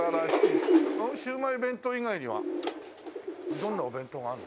シウマイ弁当以外にはどんなお弁当があるの？